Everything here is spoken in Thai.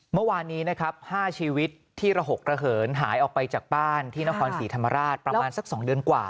เมื่อวานนี้นะครับ๕ชีวิตที่ระหกระเหินหายออกไปจากบ้านที่นครศรีธรรมราชประมาณสัก๒เดือนกว่า